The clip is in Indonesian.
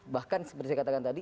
bahkan seperti saya katakan tadi